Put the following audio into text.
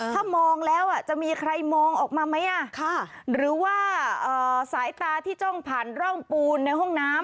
ถ้ามองแล้วจะมีใครมองออกมาไหมหรือว่าสายตาที่จ้องผ่านร่องปูนในห้องน้ำ